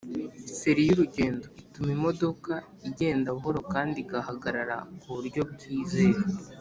Feri y urugendo ituma imodoka igenda buhoro kandi igahagarara ku buryo bwizewe